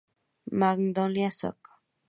Magnolia Soc.